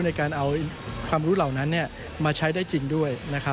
ในการเอาความรู้เหล่านั้นมาใช้ได้จริงด้วย